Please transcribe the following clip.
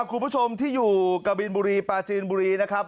คุณผู้ชมที่อยู่กะบินบุรีปลาจีนบุรีนะครับ